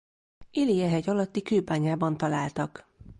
Ilije-hegy alatti kőbányában találtak.